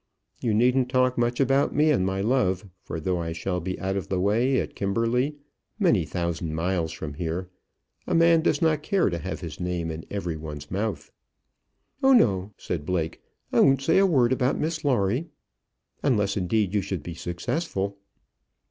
You needn't talk much about me and my love; for though I shall be out of the way at Kimberley, many thousand miles from here, a man does not care to have his name in every one's mouth." "Oh no," said Blake. "I won't say a word about Miss Lawrie; unless indeed you should be successful."